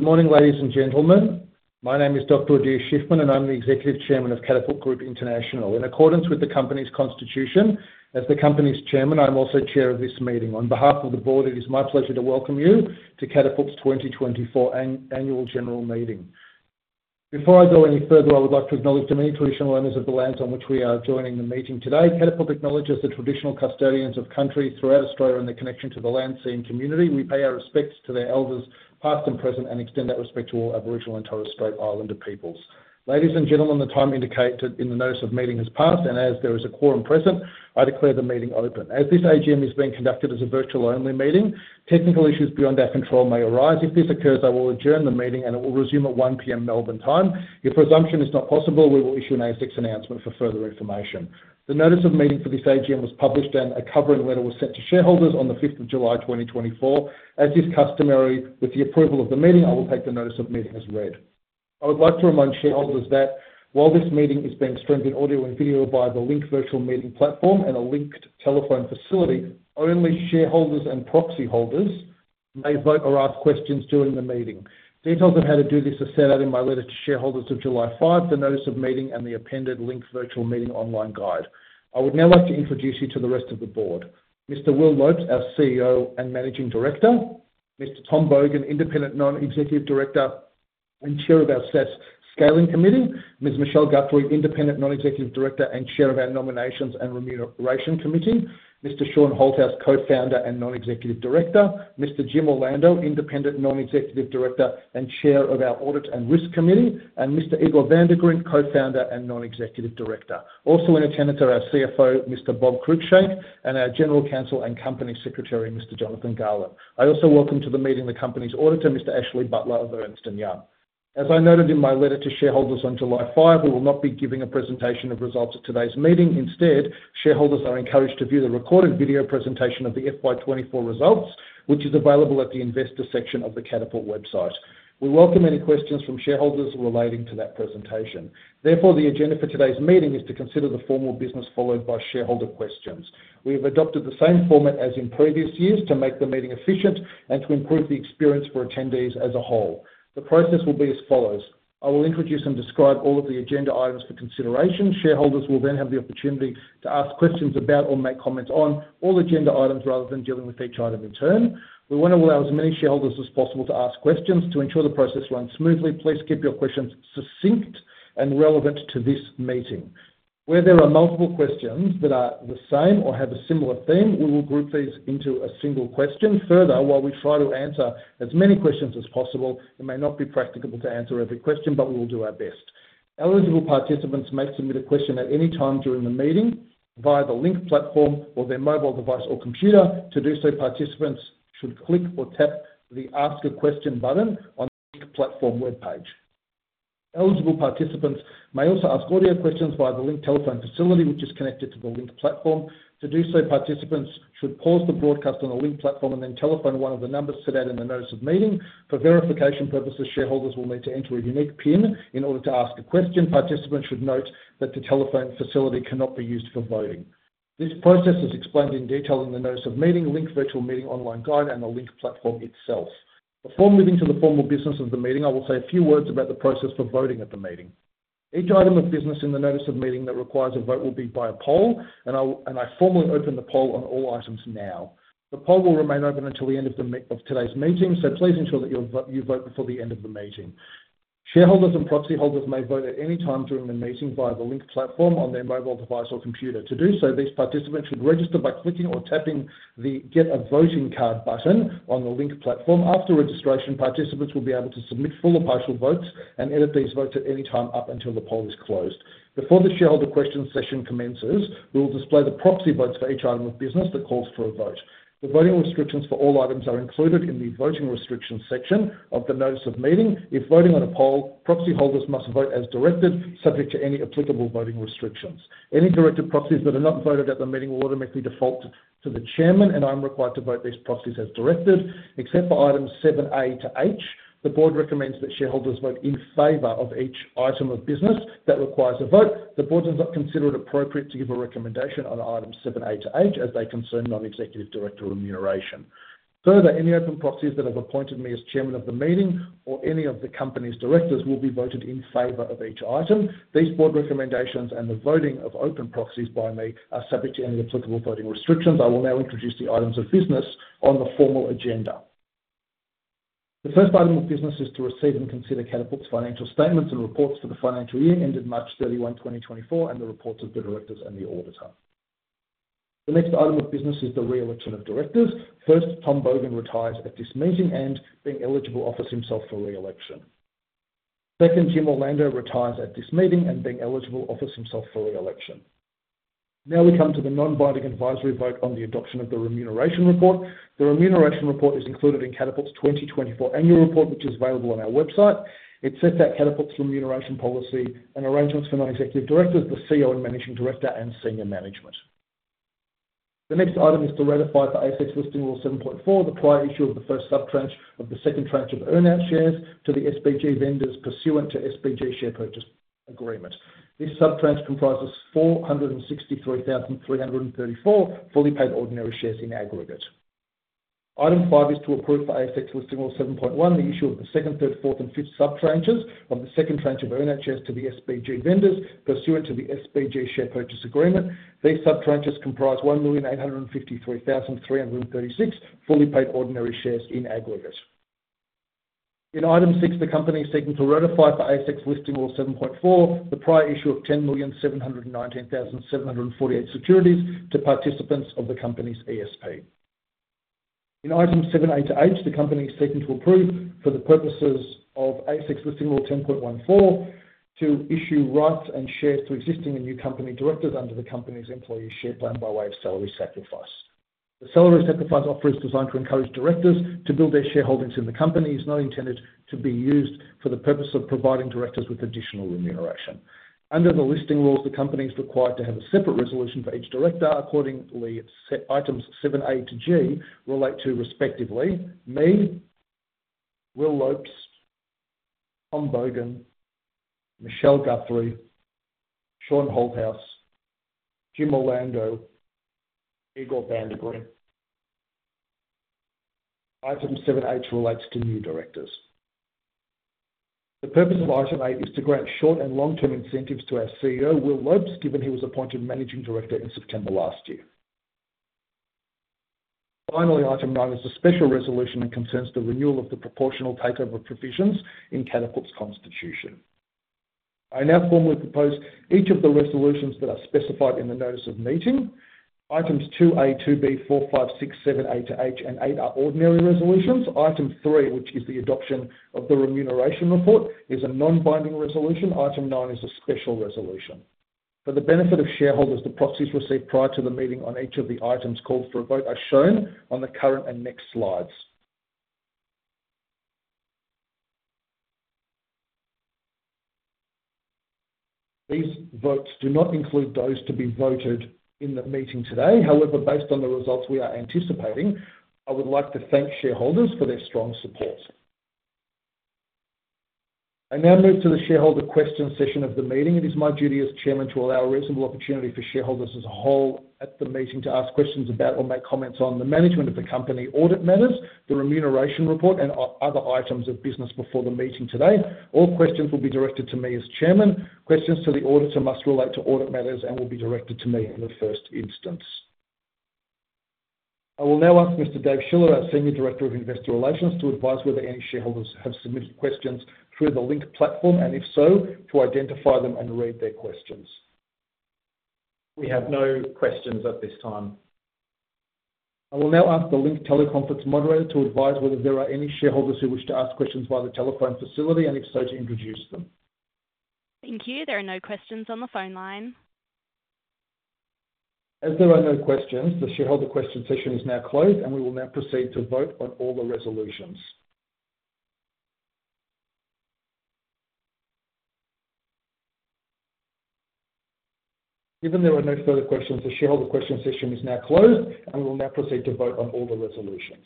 Good morning, ladies and gentlemen. My name is Dr. Adir Shiffman, and I'm the Executive Chairman of Catapult Group International. In accordance with the company's constitution, as the company's chairman, I'm also chair of this meeting. On behalf of the board, it is my pleasure to welcome you to Catapult's 2024 Annual General Meeting. Before I go any further, I would like to acknowledge the many traditional owners of the lands on which we are joining the meeting today. Catapult acknowledges the traditional custodians of country throughout Australia and the connection to the land, seas, community. We pay our respects to their elders, past and present, and extend that respect to all Aboriginal and Torres Strait Islander peoples. Ladies and gentlemen, the time indicated in the notice of meeting has passed, and as there is a quorum present, I declare the meeting open. As this AGM is being conducted as a virtual-only meeting, technical issues beyond our control may arise. If this occurs, I will adjourn the meeting and it will resume at 1:00 P.M. Melbourne time. If resumption is not possible, we will issue an ASX announcement for further information. The notice of meeting for this AGM was published, and a covering letter was sent to shareholders on the fifth of July, 2024. As is customary with the approval of the meeting, I will take the notice of meeting as read. I would like to remind shareholders that while this meeting is being streamed in audio and video via the Link Virtual Meeting platform and a linked telephone facility, only shareholders and proxy holders may vote or ask questions during the meeting. Details on how to do this are set out in my letter to shareholders of July 5, the notice of meeting, and the appended Link Virtual Meeting Online Guide. I would now like to introduce you to the rest of the board. Mr. Will Lopes, our CEO and managing director, Mr. Tom Bogan, independent non-executive director and chair of our SaaS Scaling Committee, Ms. Michelle Guthrie, independent non-executive director and chair of our Nominations and Remuneration Committee, Mr. Shaun Holthouse, co-founder and non-executive director, Mr. Jim Orlando, independent non-executive director and chair of our Audit and Risk Committee, and Mr. Igor van de Griendt, co-founder and non-executive director. Also in attendance are our CFO, Mr. Bob Cruickshank, and our general counsel and company secretary, Mr. Jonathan Garland. I also welcome to the meeting the company's auditor, Mr. Ashley Butler of Ernst & Young. As I noted in my letter to shareholders on July 5, we will not be giving a presentation of results at today's meeting. Instead, shareholders are encouraged to view the recorded video presentation of the FY24 results, which is available at the investor section of the Catapult website. We welcome any questions from shareholders relating to that presentation. Therefore, the agenda for today's meeting is to consider the formal business, followed by shareholder questions. We have adopted the same format as in previous years to make the meeting efficient and to improve the experience for attendees as a whole. The process will be as follows: I will introduce and describe all of the agenda items for consideration. Shareholders will then have the opportunity to ask questions about or make comments on all agenda items, rather than dealing with each item in turn. We want to allow as many shareholders as possible to ask questions. To ensure the process runs smoothly, please keep your questions succinct and relevant to this meeting. Where there are multiple questions that are the same or have a similar theme, we will group these into a single question. Further, while we try to answer as many questions as possible, it may not be practicable to answer every question, but we will do our best. Eligible participants may submit a question at any time during the meeting via the Link platform or their mobile device or computer. To do so, participants should click or tap the Ask a Question button on the platform webpage. Eligible participants may also ask audio questions via the Link telephone facility, which is connected to the Link platform. To do so, participants should pause the broadcast on the Link platform and then telephone one of the numbers set out in the notice of meeting. For verification purposes, shareholders will need to enter a unique PIN in order to ask a question. Participants should note that the telephone facility cannot be used for voting. This process is explained in detail in the notice of meeting, Link Virtual Meeting Online Guide, and the Link platform itself. Before moving to the formal business of the meeting, I will say a few words about the process for voting at the meeting. Each item of business in the notice of meeting that requires a vote will be by a poll, and I formally open the poll on all items now. The poll will remain open until the end of the meeting of today's meeting, so please ensure that you'll vote before the end of the meeting. Shareholders and proxy holders may vote at any time during the meeting via the Link platform on their mobile device or computer. To do so, these participants should register by clicking or tapping the Get a Voting Card button on the Link platform. After registration, participants will be able to submit full or partial votes and edit these votes at any time up until the poll is closed. Before the shareholder question session commences, we will display the proxy votes for each item of business that calls for a vote. The voting restrictions for all items are included in the Voting Restrictions section of the notice of meeting. If voting on a poll, proxy holders must vote as directed, subject to any applicable voting restrictions. Any directed proxies that are not voted at the meeting will automatically default to the chairman, and I'm required to vote these proxies as directed. Except for items seven A to H, the board recommends that shareholders vote in favor of each item of business that requires a vote. The board does not consider it appropriate to give a recommendation on items seven A to H, as they concern non-executive director remuneration. Further, any open proxies that have appointed me as chairman of the meeting or any of the company's directors will be voted in favor of each item. These board recommendations and the voting of open proxies by me are subject to any applicable voting restrictions. I will now introduce the items of business on the formal agenda. The first item of business is to receive and consider Catapult's financial statements and reports for the financial year ended March 31, 2024, and the reports of the directors and the auditor. The next item of business is the re-election of directors. First, Tom Bogan retires at this meeting and, being eligible, offers himself for re-election. Second, Jim Orlando retires at this meeting and, being eligible, offers himself for re-election. Now we come to the non-binding advisory vote on the adoption of the Remuneration Report. The Remuneration Report is included in Catapult's 2024 Annual Report, which is available on our website. It sets out Catapult's remuneration policy and arrangements for non-executive directors, the CEO and managing director, and senior management. The next item is to ratify for ASX Listing Rule 7.4, the prior issue of the first sub-tranche of the second tranche of earn-out shares to the SBG vendors pursuant to SBG Share Purchase Agreement. This sub-tranche comprises 463,334 fully paid ordinary shares in aggregate. Item 5 is to approve the ASX Listing Rule 7.1, the issue of the second, third, fourth, and fifth sub-tranches of the second tranche of earn-out shares to the SBG vendors, pursuant to the SBG Share Purchase Agreement. These sub-tranches comprise 1,853,336 fully paid ordinary shares in aggregate. In item 6, the company is seeking to ratify for ASX Listing Rule 7.4, the prior issue of 10,719,748 securities to participants of the company's ESP. In item 7A to H, the company is seeking to approve for the purposes of ASX Listing Rule 10.14, to issue rights and shares to existing and new company directors under the company's employee share plan by way of salary sacrifice. The salary sacrifice offer is designed to encourage directors to build their shareholdings in the company. It's not intended to be used for the purpose of providing directors with additional remuneration. Under the listing rules, the company is required to have a separate resolution for each director. Accordingly, it's set items 7A to G, relate to respectively, me, Will Lopes, Tom Bogan, Michelle Guthrie, Shaun Holthouse, Jim Orlando, Igor van de Griendt. Item 7H relates to new directors. The purpose of item 8 is to grant short and long-term incentives to our CEO, Will Lopes, given he was appointed Managing Director in September last year. Finally, item nine is a special resolution that concerns the renewal of the proportional takeover provisions in Catapult's constitution. I now formally propose each of the resolutions that are specified in the notice of meeting. Items two A, two B, four, five, six, seven, A to H, and eight are ordinary resolutions. Item three, which is the adoption of the remuneration report, is a non-binding resolution. Item nine is a special resolution. For the benefit of shareholders, the proxies received prior to the meeting on each of the items called for a vote are shown on the current and next slides. These votes do not include those to be voted in the meeting today. However, based on the results we are anticipating, I would like to thank shareholders for their strong support. I now move to the shareholder question session of the meeting. It is my duty as chairman to allow reasonable opportunity for shareholders as a whole at the meeting to ask questions about or make comments on the management of the company, audit matters, the remuneration report, and other items of business before the meeting today. All questions will be directed to me as chairman. Questions to the auditor must relate to audit matters and will be directed to me in the first instance. I will now ask Mr. Dave Schiller, our Senior Director of Investor Relations, to advise whether any shareholders have submitted questions through the Link platform, and if so, to identify them and read their questions. We have no questions at this time. I will now ask the Link teleconference moderator to advise whether there are any shareholders who wish to ask questions via the telephone facility, and if so, to introduce them. Thank you. There are no questions on the phone line. As there are no questions, the shareholder question session is now closed, and we will now proceed to vote on all the resolutions. Given there are no further questions, the shareholder question session is now closed, and we will now proceed to vote on all the resolutions.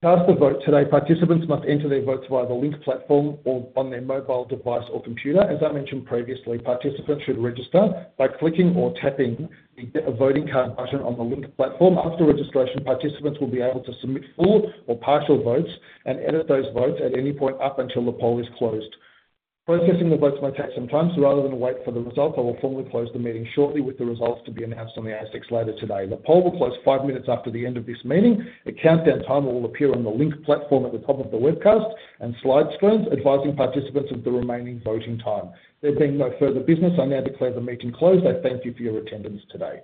To cast the vote today, participants must enter their votes via the Link platform or on their mobile device or computer. As I mentioned previously, participants should register by clicking or tapping the voting card button on the Link platform. After registration, participants will be able to submit full or partial votes and edit those votes at any point up until the poll is closed. Processing the votes may take some time, so rather than wait for the result, I will formally close the meeting shortly with the results to be announced on the ASX later today. The poll will close five minutes after the end of this meeting. A countdown timer will appear on the Link platform at the top of the webcast and slide screens, advising participants of the remaining voting time. There being no further business, I now declare the meeting closed. I thank you for your attendance today.